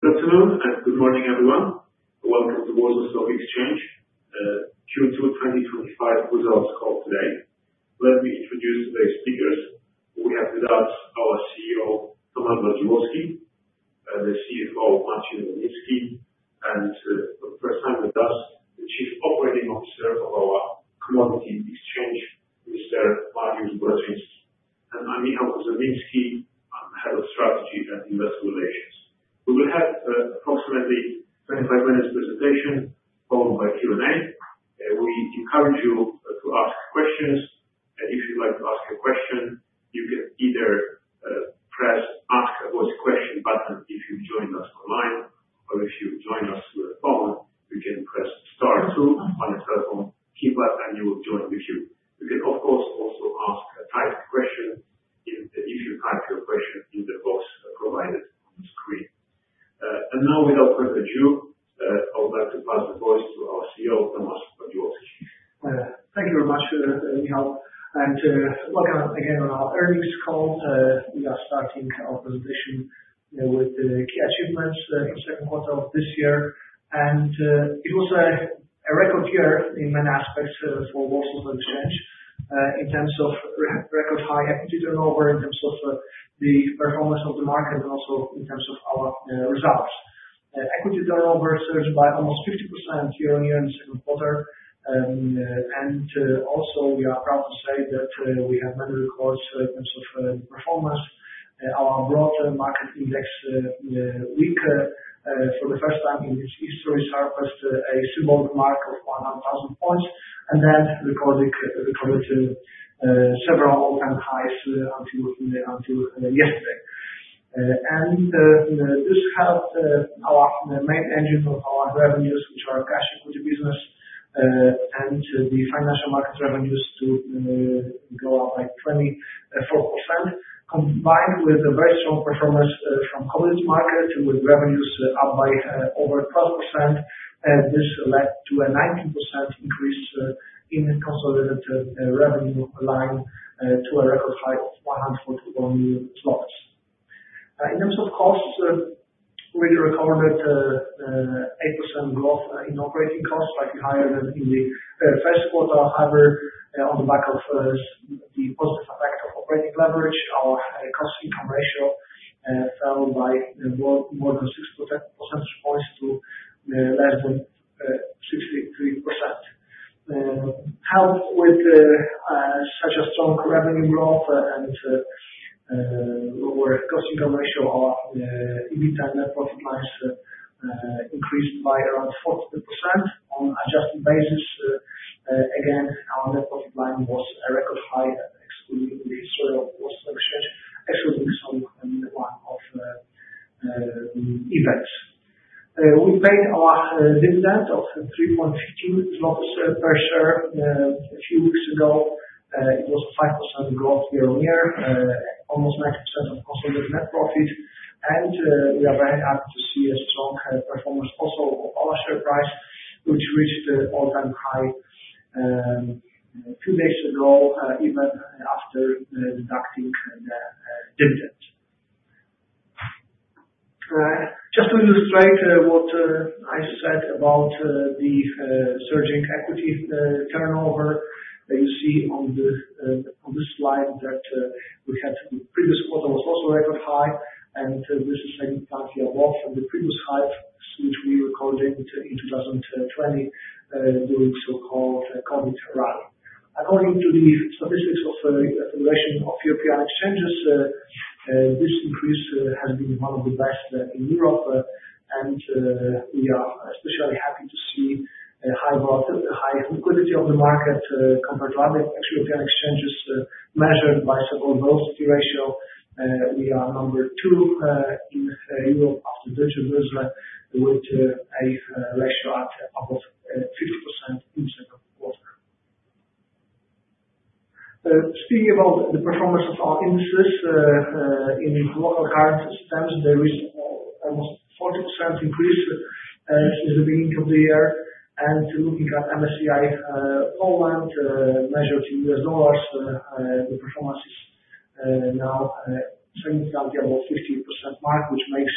Good afternoon and good morning, everyone. Welcome to the Warsaw Stock Exchange Q2 2025 Results Call today. Let me introduce today's speakers. We have with us our CEO, Tomasz Bardziłowski, the CFO, Marcin Rulnicki; and for the first time with us, the Chief Operating Officer of our commodity exchange, Mr. Mariusz Borodziński, and I'm Michał Zamiński, I'm the Head of Strategy and Investor Relations. We will have an approximately 25-minute presentation followed by Q&A. We encourage you to ask questions. If you'd like to ask a question, you can either press the "Ask a Question" button if you've joined us online, or if you join us through the phone, you can press star two on your telephone, keep that, and you will join the queue. You can, of course, also ask a typed question if you type your question in the box provided on the screen. Now, without further ado, I would like to pass the voice to our CEO, Tomasz Bardziłowski. Thank you very much, Michał, and welcome again to our earnings call. We are starting our presentation with the key achievements for the Q2 of this year, and it was a record year in many aspects for Warsaw Stock Exchange in terms of record high equity turnover, in terms of the performance of the market, and also in terms of our results. Equity turnover surged by almost 50% year-on-year in the Q2, and also, we are proud to say that we have many records in terms of performance. Our broader market index WIG, for the first time in its history, surpassed a symbolic mark of 100,000 points, and that recorded several all-time highs until yesterday. And this helped our main engine of our revenues, which are cash equity business and the financial market revenues, to go up by 24%, combined with a very strong performance from the commodity market, with revenues up by over 12%. This led to a 19% increase in the consolidated revenue line to a record high of 144 million zlotys. In terms of costs, we recorded an 8% growth in operating costs, slightly higher than in the Q1. However, on the back of the positive effect of operating leverage, our cost-income ratio fell by more than 6 percentage points to less than 63%. Helped with such a strong revenue growth and lower cost-income ratio, our EBITDA and net profit lines increased by around 40% on an adjusted basis. Again, our net profit line was a record high, excluding the history of the Warsaw Stock Exchange, excluding some minimal events. We paid our dividend of 3.15 per share a few weeks ago. It was a 5% growth year-on-year, almost 90% of consolidated net profit. We are very happy to see a strong performance also of our share price, which reached an all-time high two days ago, even after deducting the dividend. Just to illustrate what I said about the surging equity turnover, you see on this slide that the previous quarter was also a record high, and this is slightly above the previous highs which we recorded in 2020 during the so-called COVID rally. According to the statistics of the Federation of European Exchanges, this increase has been one of the best in Europe. We are especially happy to see a high liquidity of the market compared to other exchanges measured by the volatility ratio. We are number two in Europe after Deutsche Börse, with a ratio at above 50% in the Q2. Speaking about the performance of our indices, in local currency terms, there is almost a 40% increase since the beginning of the year. And looking at MSCI Poland, measured in US dollars, the performance is now slightly above the 50% mark, which makes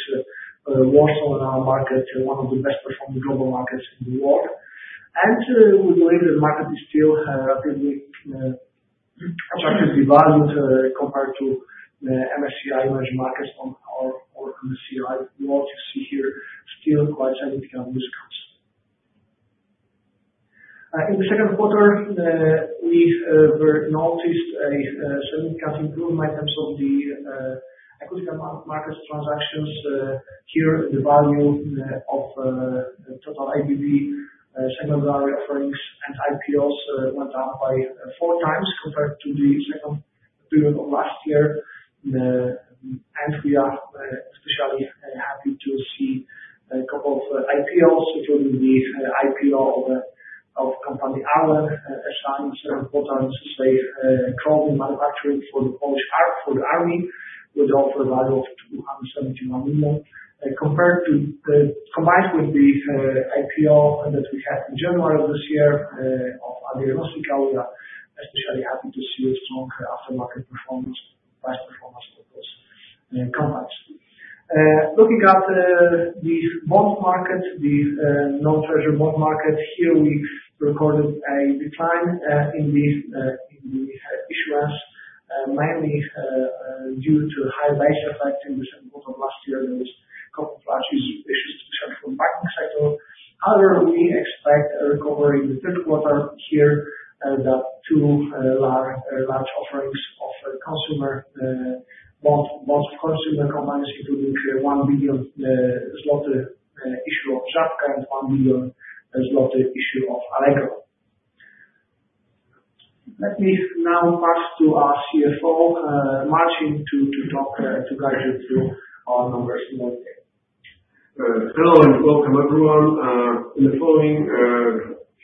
Warsaw, in our market, one of the best-performing global markets in the world. And we believe the market is still relatively attractively valued compared to MSCI Emerging Markets on our MSCI World. You see here still quite significant discounts. In the Q2, we noticed a significant improvement in terms of the equity market transactions. Here, the value of total ABB secondary offerings and IPOs went up by four times compared to the second period of last year. We are especially happy to see a couple of IPOs, including the IPO of company Arlen, announced in the Q2, a clothing manufacturer for the Polish army, with an offer value of 271 million. Combined with the IPO that we had in January of this year of Diagnostyka, we are especially happy to see a strong aftermarket performance, price performance for those companies. Looking at the bond market, the non-treasury bond market, here we recorded a decline in the issuance, mainly due to high base effect in the Q2 of last year. There were a couple of large issues to the central banking sector. However, we expect a recovery in the Q3 here, with two large offerings of consumer bonds for consumer companies, including a 1 billion zloty issue of Żabka and 1 billion zloty issue of Allegro. Let me now pass to our CFO, Marcin, to guide you through our numbers for today. Hello and welcome, everyone. In the following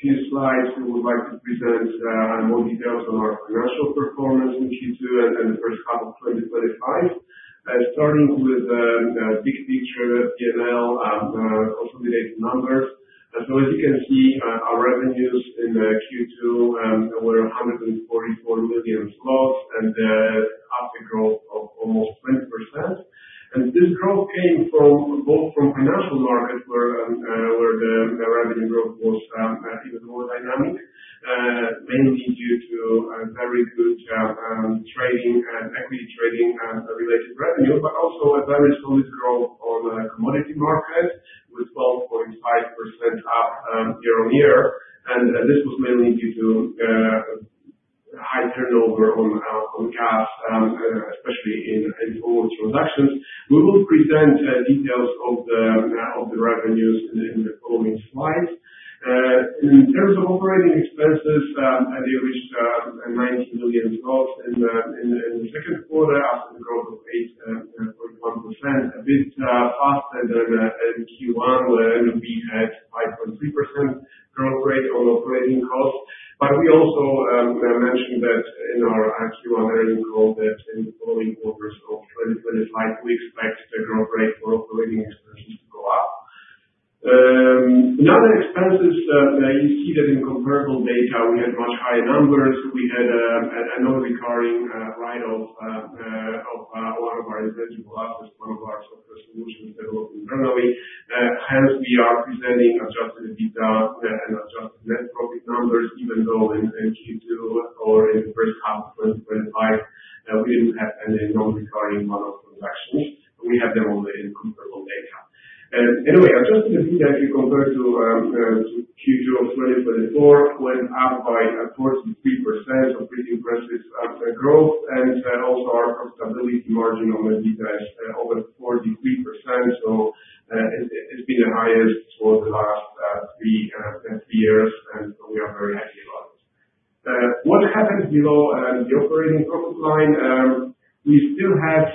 few slides, we would like to present more details on our financial performance in Q2 and the H1 of 2025, starting with the big picture P&L and consolidated numbers. So, as you can see, our revenues in Q2 were 144 million zlotys and an upward growth of almost 20%. And this growth came both from financial markets, where the revenue growth was even more dynamic, mainly due to very good trading and equity trading-related revenue, but also a very solid growth on the commodity market, with 12.5% up year-on-year. And this was mainly due to high turnover on gas, especially in all transactions. We will present details of the revenues in the following slides. In terms of operating expenses, they reached 90 million in the Q2 after a growth of 8.1%, a bit faster than Q1, where we had a 5.3% growth rate on operating costs. But we also mentioned that in our Q1 earnings call that in the following quarters of 2025, we expect the growth rate for operating expenses to go up. In other expenses, you see that in comparable data, we had much higher numbers. We had a non-recurring write-off of one of our intangible assets, one of our software solutions developed internally. Hence, we are presenting adjusted EBITDA and adjusted net profit numbers, even though in Q2 or in the H1 of 2025, we didn't have any non-recurring one-off transactions. We had them only in comparable data. Anyway, adjusted EBITDA, if you compare to Q2 of 2024, went up by 43%, a pretty impressive growth. And also, our profitability margin on EBITDA is over 43%. So, it's been the highest for the last three years, and we are very happy about it. What happened below the operating profit line? We still have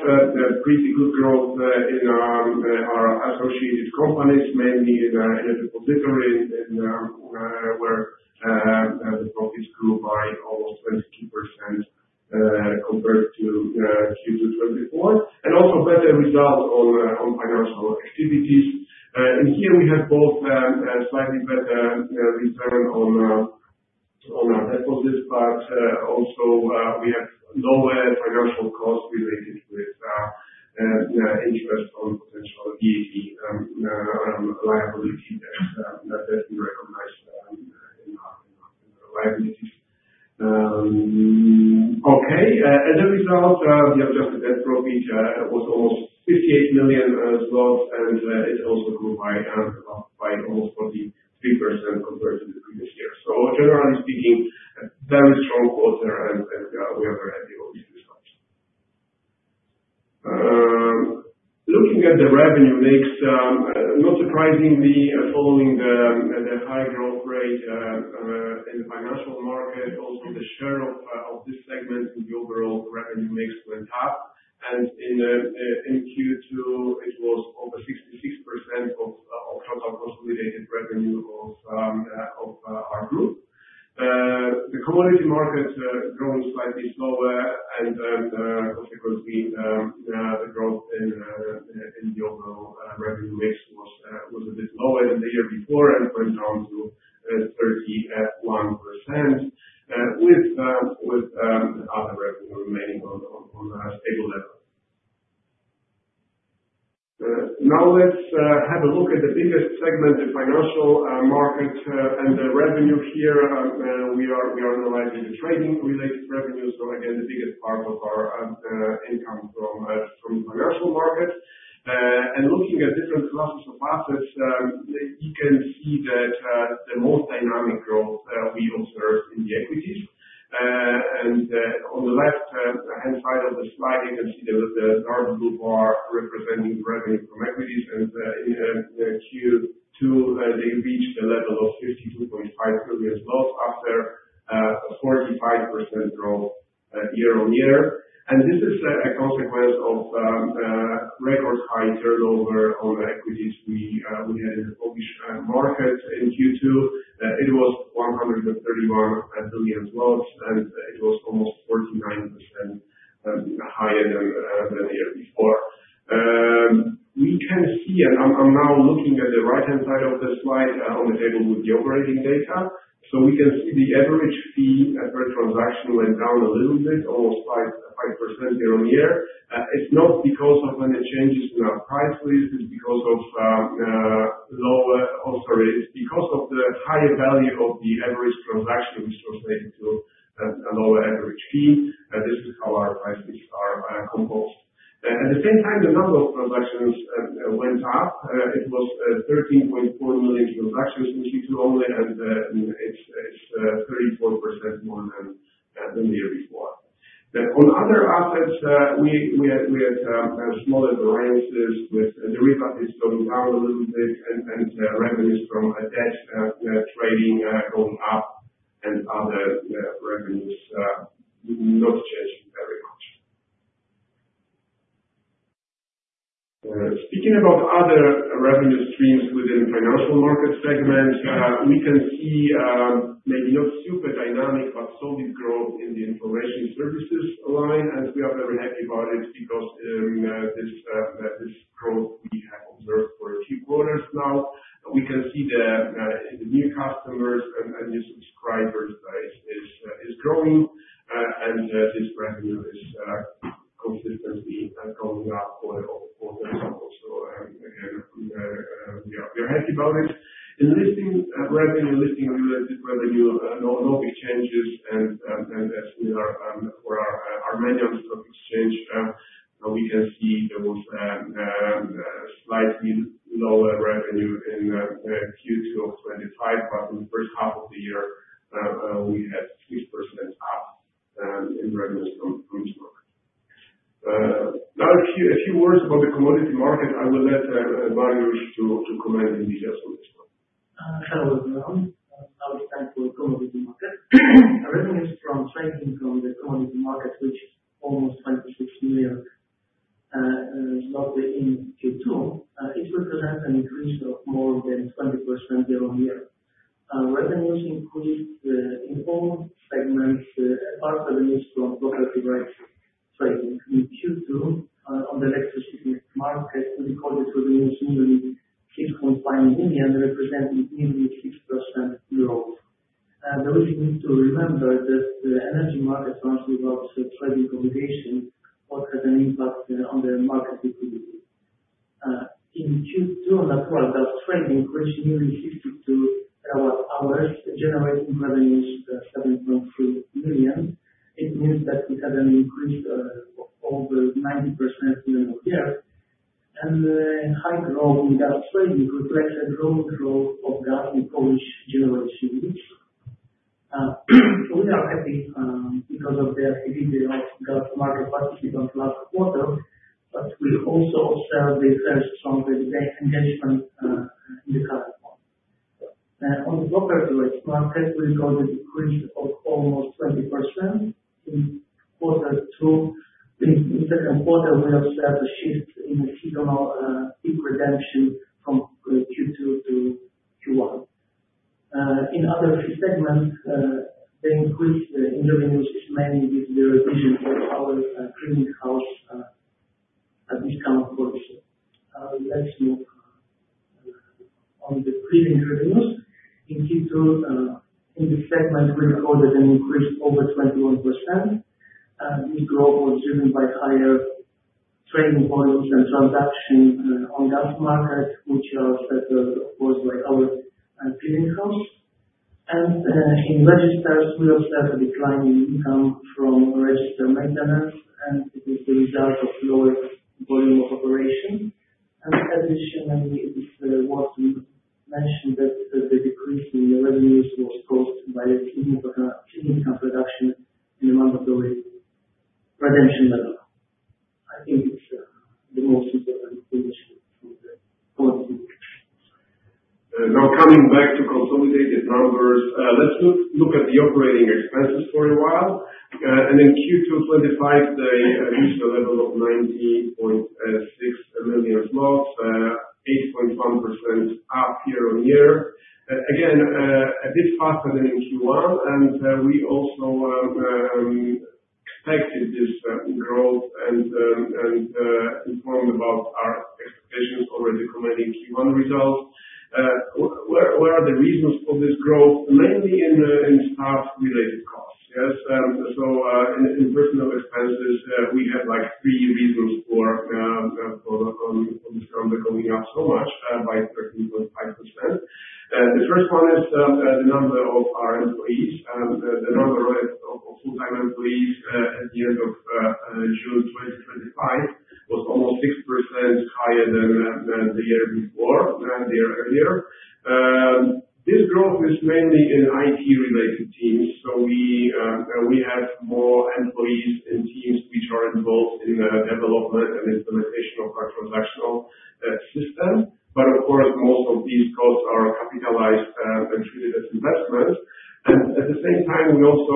pretty good growth in our associated companies, mainly in the depository, where the profits grew by almost 22% compared to Q2 2024. And also, better results on financial activities. And here, we have both slightly better return on our deposits, but also we have lower financial costs related with interest on potential EAD liabilities that have been recognized in our liabilities. Okay, as a result, the adjusted net profit was almost 58 million, and it also grew by almost 43% compared to the previous year. So, generally speaking, a very strong quarter, and we are very happy with the results. Looking at the revenue mix, not surprisingly, following the high growth rate in the financial market, also the share of this segment in the overall revenue mix went up, and in Q2, it was over 66% of total consolidated revenue of our group. The commodity market growing slightly slower, and consequently, the growth in the overall revenue mix was a bit lower than the year before and went down to 31%, with other revenue remaining on a stable level. Now, let's have a look at the biggest segment, the financial market and the revenue here. We are analyzing the trading-related revenue, so, again, the biggest part of our income from the financial market, and looking at different classes of assets, you can see that the most dynamic growth we observed in the equities. On the left-hand side of the slide, you can see the dark blue bar representing revenue from equities. In Q2, they reached a level of 52.5 million after a 45% growth year-on-year. This is a consequence of record high turnover on equities we had in the Polish market in Q2. It was PLN 131 billion, and it was almost 49% higher than the year before. We can see, and I'm now looking at the right-hand side of the slide on the table with the operating data. We can see the average fee per transaction went down a little bit, almost 5% year-on-year. It's not because of any changes in our price list. It's because of lower, oh, sorry, it's because of the higher value of the average transaction, which translated to a lower average fee. This is how our price lists are composed. At the same time, the number of transactions went up. It was 13.4 million transactions in Q2 only, and it's 34% more than the year before. On other assets, we had smaller variances, with the rebate going down a little bit and revenues from debt trading going up and other revenues not changing very much. Speaking about other revenue streams within the financial market segment, we can see maybe not super dynamic, but solid growth in the information services line. And we are very happy about it because this growth we have observed for a few quarters now. We can see the new customers and new subscribers is growing, and this revenue is consistently going up over the summer. So, again, we are happy about it. In listing revenue, listing-related revenue, no big changes. As we are for our Armenian stock exchange, we can see there was a slightly lower revenue in Q2 of 2025, but in the H1 of the year, we had 6% up in revenues from this market. Now, a few words about the commodity market. I will let Mariusz to comment in detail on this one. Hello, everyone. I'll stand for the commodity market. Revenues from trade income in the commodity market, which is almost 26 million in Q2. It represents an increase of more than 20% year-on-year. Revenues increased in all segments, apart from revenues from property rights trading. In Q2, on the electricity market, we recorded revenues nearly PLN 6.5 million, representing nearly 6% growth. There is need to remember that the energy market runs without trading obligations, what has an impact on the market liquidity. In Q2, natural gas trading reached nearly 52 terawatt-hours, generating revenues of 7.3 million. It means that we had an increase of over 90% year-on-year. And the high growth in gas trading reflects a growing growth of gas in Polish generation units. We are happy because of the activity of gas market participants last quarter, but we also observed a very strong engagement in the current one. On the property rights market, we recorded an increase of almost 20% in Q2. In the Q2, we observed a shift in seasonal peak redemption from Q2 to Q1. In other segments, the increase in revenues is mainly due to the revision of our Clearing House discount policy. Let's move on to the Clearing revenues. In Q2, in this segment, we recorded an increase of over 21%. This growth was driven by higher trading volumes and transactions on the gas market, which are set up, of course, by our Clearing House. And in registers, we observed a decline in income from register maintenance, and it is the result of lower volume of operation. And additionally, it is worth to mention that the decrease in revenues was caused by significant reduction in the mandatory redemption level. I think it's the most important initiative from the commodity market. Now, coming back to consolidated numbers, let's look at the operating expenses for a while. In Q2 2025, they reached a level of 90.6 million zlotys, 8.1% up year-on-year. Again, a bit faster than in Q1. We also expected this growth and informed about our expectations already commenting on Q1 results. Where are the reasons for this growth? Mainly in staff-related costs. Yes. So, in personal expenses, we had three reasons for the going up so much by 13.5%. The first one is the number of our employees. The number of full-time employees at the end of June 2025 was almost 6% higher than the year before, the year earlier. This growth is mainly in IT-related teams. So, we have more employees in teams which are involved in the development and implementation of our transactional system. But, of course, most of these costs are capitalized and treated as investments. And at the same time, we also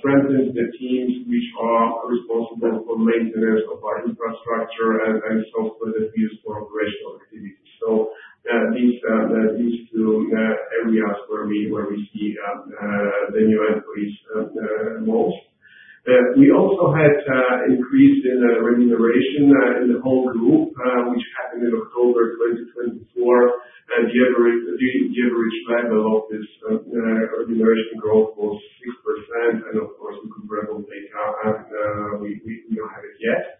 strengthened the teams which are responsible for maintenance of our infrastructure and software that we use for operational activities. So, these are the areas where we see the new employees most. We also had an increase in remuneration in the whole group, which happened in October 2024. And the average level of this remuneration growth was 6%. And, of course, in comparable data, we don't have it yet.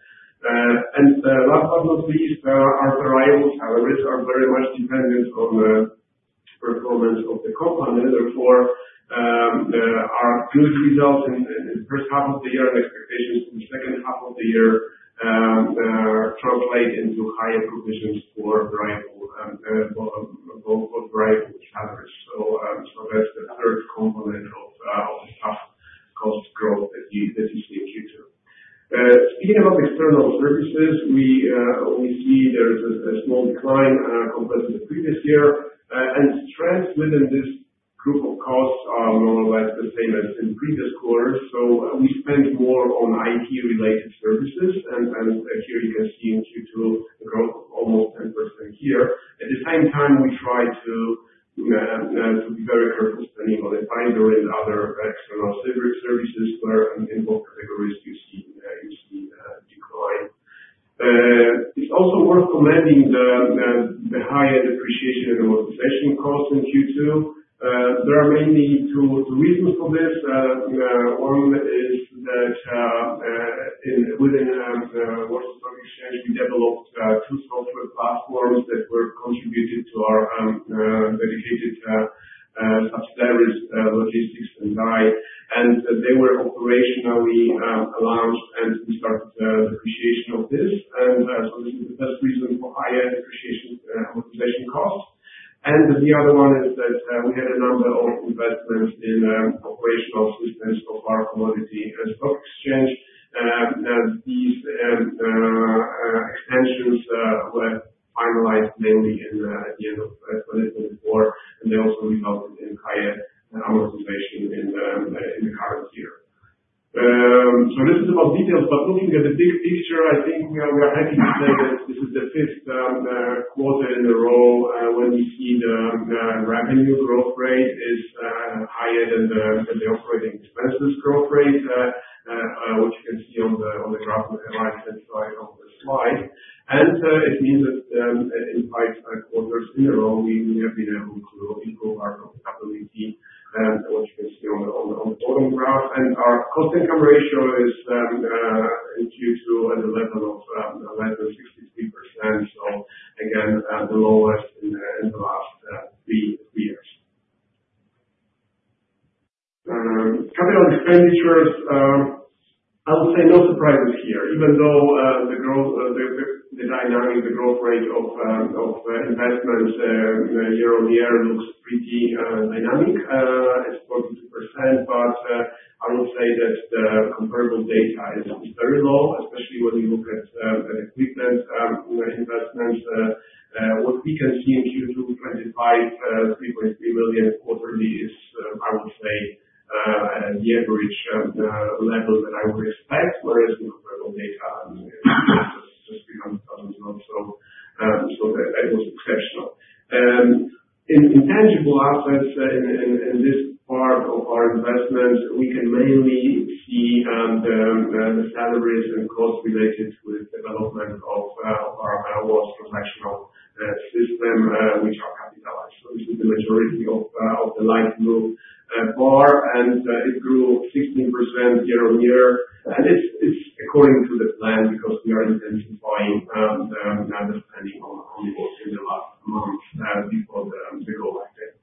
And last but not least, our variables averages are very much dependent on the performance of the company. Therefore, our good results in the H1 of the year and expectations in the H2 of the year translate into higher provisions for variable average. So, that's the third component of the staff cost growth that you see in Q2. Speaking about external services, we see there is a small decline compared to the previous year, and trends within this group of costs are more or less the same as in previous quarters, so we spent more on IT-related services, and here, you can see in Q2, the growth is almost 10% here. At the same time, we try to be very careful spending on a binder and other external services where in both categories you see decline. It's also worth commenting on the higher depreciation and amortization costs in Q2. There are mainly two reasons for this. One is that within Warsaw Stock Exchange, we developed two software platforms that were contributed to our dedicated subsidiaries, Logistics and DAI, and they were operationally launched, and we started the depreciation of this, and so, this is the first reason for higher depreciation amortization costs. The other one is that we had a number of investments in operational systems of our commodity exchange. These extensions were finalized mainly at the end of 2024, and they also resulted in higher amortization in the current year. This is about details, but looking at the big picture, I think we are happy to say that this is the fifth quarter in a row when we see the revenue growth rate is higher than the operating expenses growth rate, which you can see on the graph on the right-hand side of the slide. It means that in five quarters in a row, we have been able to improve our profitability, which you can see on the bottom graph. Our cost-income ratio is in Q2 at a level of less than 63%. Again, the lowest in the last three years. Capital expenditures, I would say no surprises here, even though the dynamic, the growth rate of investments year-on-year looks pretty dynamic at 42%, but I would say that the comparable data is very low, especially when you look at equipment investments. What we can see in Q2 2025, 3.3 million quarterly is, I would say, the average level that I would expect, whereas in comparable data, it's just PLN 300,000. So, that was exceptional. In intangible assets in this part of our investments, we can mainly see the salaries and costs related to the development of our Warsaw Transactional System, which are capitalized. So, this is the majority of the light blue bar, and it grew 16% year-on-year, and it's according to the plan because we are intensifying the spending in the last month before the goal like that.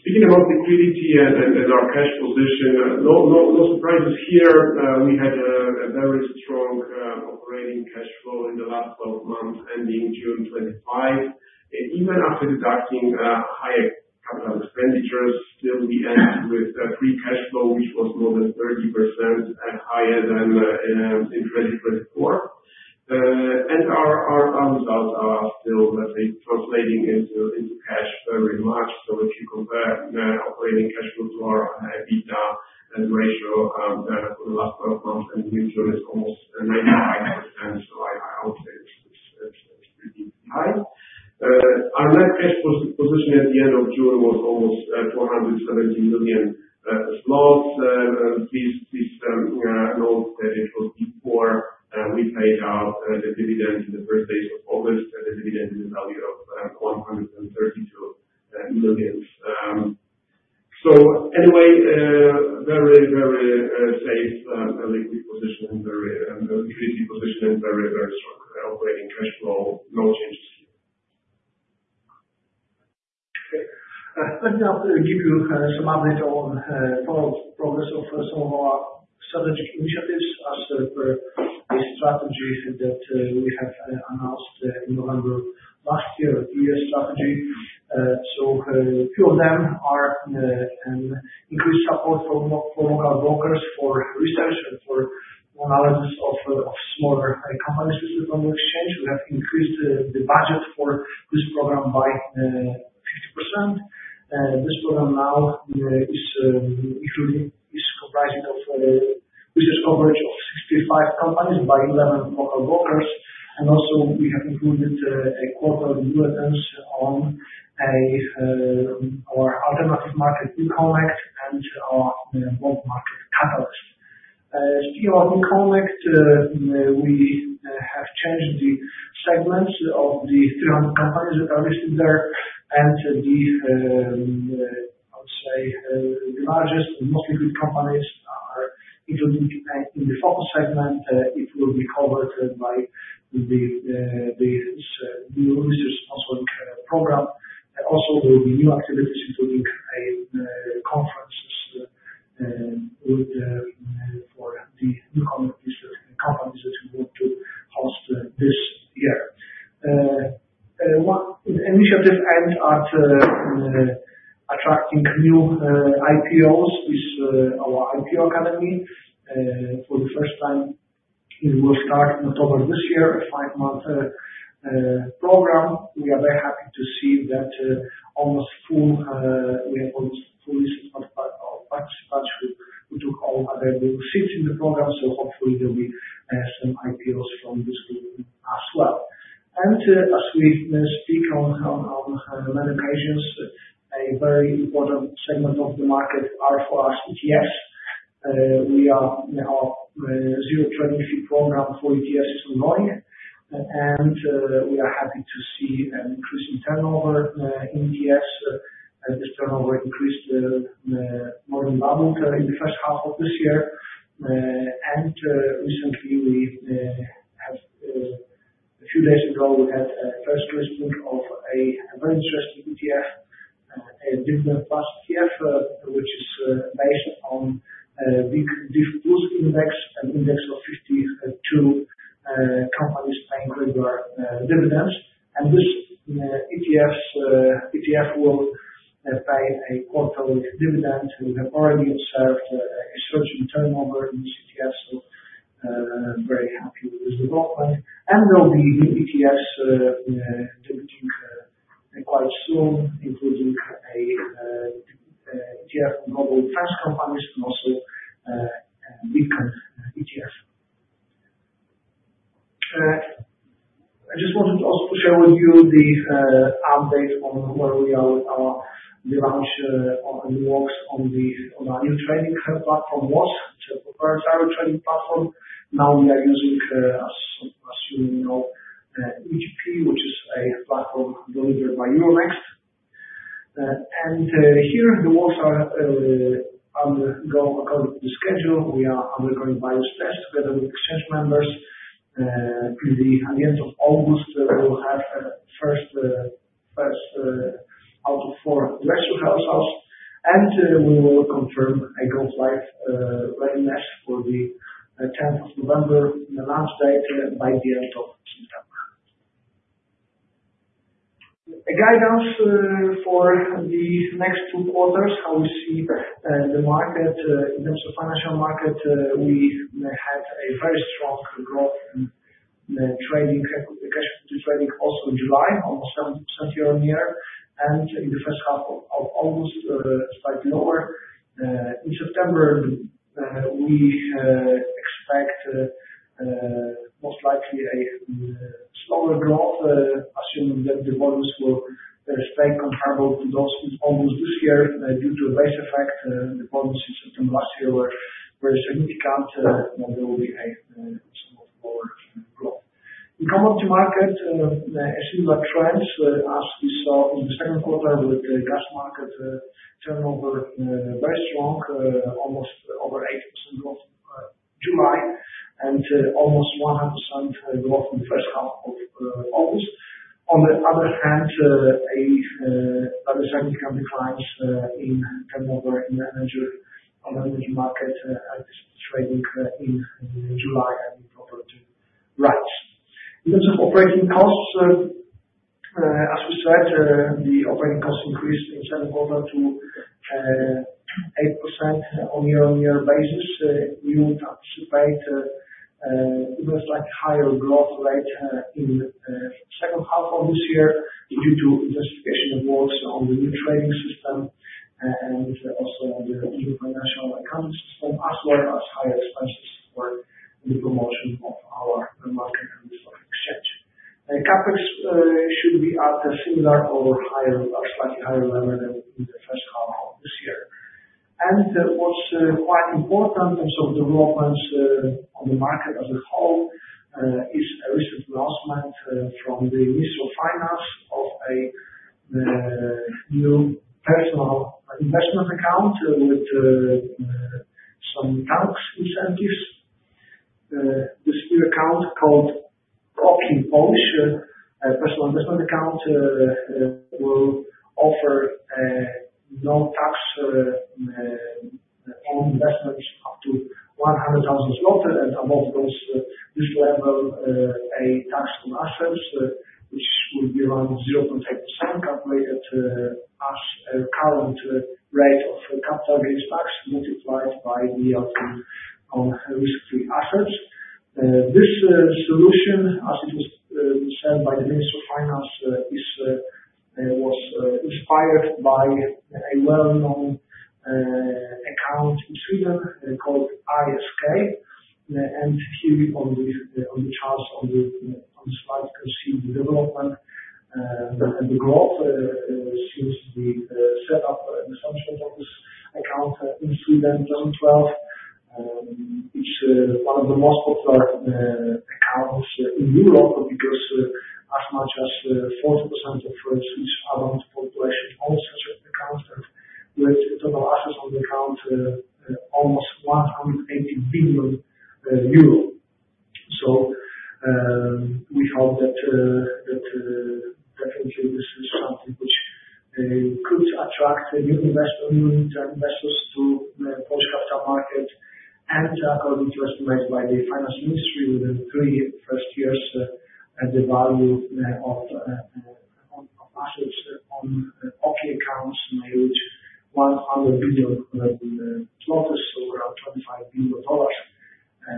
Speaking about liquidity and our cash position, no surprises here. We had a very strong operating cash flow in the last 12 months ending June 2025. Even after deducting higher capital expenditures, still, we ended with free cash flow, which was more than 30% higher than in 2024. And our results are still, let's say, translating into cash very much. So, if you compare operating cash flow to our EBITDA ratio for the last 12 months, and in June, it's almost 95%. So, I would say it's pretty high. Our net cash position at the end of June was almost 470 million zlotys. Please note that it was before we paid out the dividend in the first days of August, the dividend in the value of PLN 132 million. So, anyway, very, very safe liquid position and very liquidity position and very, very strong operating cash flow, no changes here. Let me now give you some update on the progress of some of our strategic initiatives as per the strategies that we have announced in November last year, the EU strategy. So, a few of them are an increased support for local brokers for research and for analysis of smaller companies with the global exchange. We have increased the budget for this program by 50%. This program now is comprising of research coverage of 65 companies by 11 local brokers. And also, we have included a quarter of new attempts on our alternative market, NewConnect, and our bond market, Catalyst. Speaking about NewConnect, we have changed the segments of the 300 companies that are listed there. And I would say, the largest and most liquid companies are included in the focus segment. It will be covered by the research sponsoring program. Also, there will be new activities, including conferences for the new companies that we want to host this year. Initiatives aimed at attracting new IPOs is our IPO Academy. For the first time, it will start in October this year, a five-month program. We are very happy to see that almost full, we have almost full list of participants who took all available seats in the program. So, hopefully, there will be some IPOs from this group as well. And as we speak on many occasions, a very important segment of the market is for us, ETFs. We are now in a zero-trading fee program for ETFs ongoing. And we are happy to see an increase in turnover in ETFs. This turnover increased more than doubled in the H1 of this year. And recently, a few days ago, we had a first listing of a very interesting ETF, a Dividend Plus ETF, which is based on the WIGdivplus Index, an index of 52 companies paying regular dividends. And this ETF will pay a quarterly dividend. We have already observed a surge in turnover in this ETF. So, very happy with this development. And there will be new ETFs debuting quite soon, including an ETF on global defense companies and also a Bitcoin ETF. I just wanted also to share with you the update on where we are with our launch and the works on our new trading platform, WATS, which is a proprietary trading platform. Now we are using, as you may know, UTP, which is a platform delivered by Euronext. And here, the works are undergoing according to the schedule. We are undergoing various tests together with exchange members. At the end of August, we will have the first out of four registry households. We will confirm a go-live readiness for the 10th of November, the last date, by the end of September. Guidance for the next two quarters, how we see the market, financial market. We had a very strong growth in the trading, cash equity trading, also in July, almost 70% year-on-year. In the H1 of August, slightly lower. In September, we expect most likely a slower growth, assuming that the volumes will stay comparable to those in August this year. Due to a base effect, the volumes in September last year were very significant, and there will be a somewhat lower growth. Income of the market, a similar trend as we saw in the Q2 with the gas market turnover, very strong, almost over 8% growth in July, and almost 100% growth in the H1 of August. On the other hand, a significant decline in turnover in the energy market, trading in July and in property rights. In terms of operating costs, as we said, the operating costs increased in the Q2 to 8% on a year-on-year basis. You would anticipate even a slightly higher growth rate in the H2 of this year due to intensification of works on the new trading system and also on the new financial accounting system, as well as higher expenses for the promotion of our market and the stock exchange. CapEx should be at a similar or slightly higher level than in the H1 of this year. What's quite important in terms of developments on the market as a whole is a recent announcement from the Ministry of Finance of a new personal investment account with some tax incentives. This new account called OKI, a personal investment account, will offer no tax on investments up to 100,000 zlotys. Above this level, a tax on assets, which will be around 0.8%, calculated at current rate of capital gains tax multiplied by the yield on risk-free assets. This solution, as it was said by the Ministry of Finance, was inspired by a well-known account in Sweden called ISK. Here on the charts, on the slide, you can see the development and the growth since the setup and establishment of this account in Sweden in 2012. It's one of the most popular accounts in Europe because as much as 40% of the Swedish adult population owns such accounts, with total assets on the account almost EUR 180 billion. We hope that definitely this is something which could attract new investors to the Polish capital market. According to estimates by the Ministry of Finance, within three first years, the value of assets on OKI accounts may reach PLN 100 billion, so around $25 billion.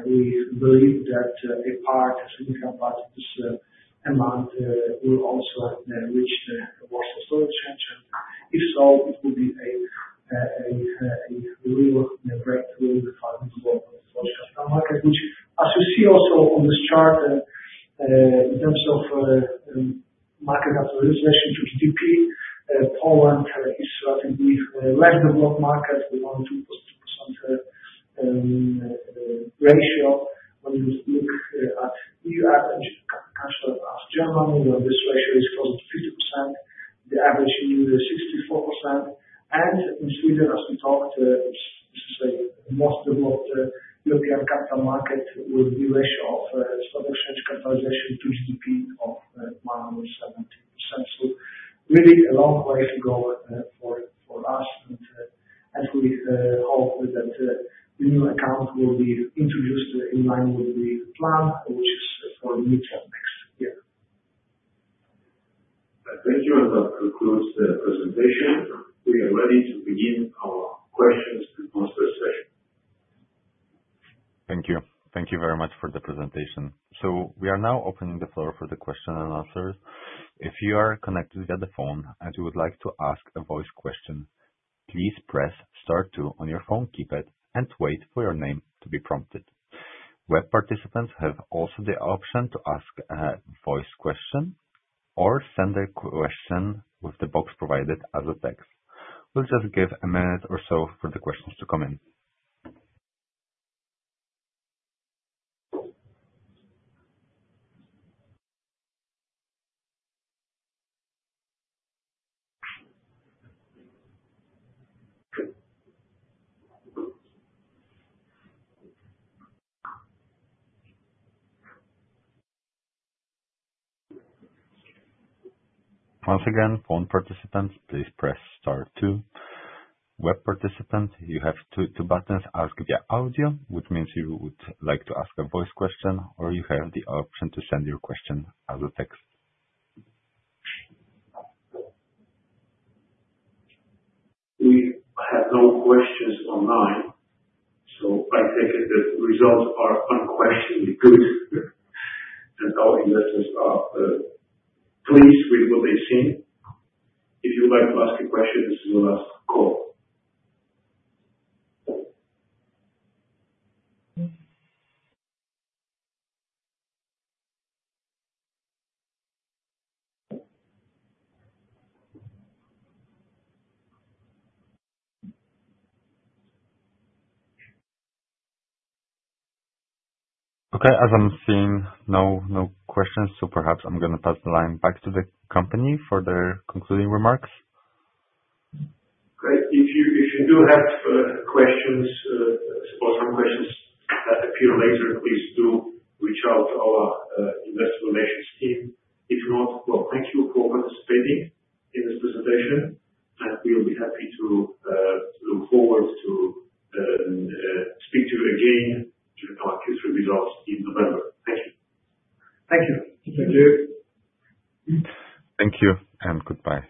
We believe that a part, a significant part of this amount will also reach the Warsaw Stock Exchange. If so, it will be a real breakthrough in the development of the Polish capital market, which, as you see also on this chart, in terms of market capitalization to GDP, Poland is certainly a less developed market with only 2.2% ratio. When you look at EU average cash flow across Germany, this ratio is closer to 50%. The average in the EU is 64%. And in Sweden, as we talked, this is a most developed European capital market with a ratio of stock exchange capitalization to GDP of 117%. So, really a long way to go for us. And we hope that the new account will be introduced in line with the plan, which is for mid to next year. Thank you. And that concludes the presentation. We are ready to begin our questions and answers session. Thank you. Thank you very much for the presentation. So, we are now opening the floor for the question and answers. If you are connected via the phone and you would like to ask a voice question, please press star two on your phone keypad and wait for your name to be prompted. Web participants have also the option to ask a voice question or send a question with the box provided as a text. We'll just give a minute or so for the questions to come in. Once again, phone participants, please press star two. Web participants, you have two buttons: Ask via audio, which means you would like to ask a voice question, or you have the option to send your question as a text. We have no questions online. So, I take it that the results are unquestionably good, and our investors are pleased with what they've seen. If you'd like to ask a question, this is your last call. Okay. As I'm seeing no questions, so perhaps I'm going to pass the line back to the company for their concluding remarks. Great. If you do have questions, or some questions that appear later, please do reach out to our investor relations team. If not, well, thank you for participating in this presentation, and we'll be happy to look forward to speaking to you again to now accurate results in November. Thank you. Thank you. Thank you and goodbye.